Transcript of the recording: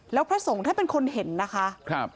แล้วพระสงฆ์ท่านเป็นคนเห็นนะคะ